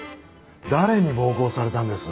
誰に暴行されたんです？